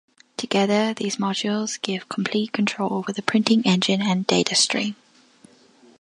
Together, these modules give complete control over the printing engine and data stream.